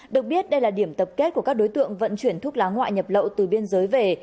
được biết đây là điểm tập kết của các đối tượng vận chuyển thuốc lá ngoại nhập lậu từ biên giới về